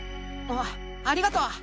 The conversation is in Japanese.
あありがとう。